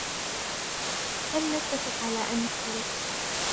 فالنتفق على أن نختلف.